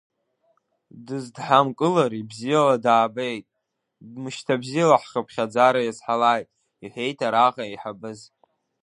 Дызҳадҳамкылари, бзиала даабеит, мышьҭабзиала ҳхыԥхьаӡара иазҳалааит, — иҳәеит араҟа еиҳабыз.